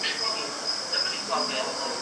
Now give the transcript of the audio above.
زه به اوږده موده د يادښتونه بشپړ کړم..